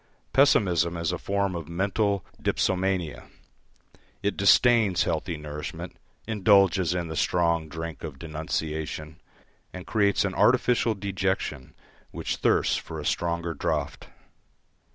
Pessimism is a form of mental dipsomania, it disdains healthy nourishment, indulges in the strong drink of denunciation, and creates an artificial dejection which thirsts for a stronger draught.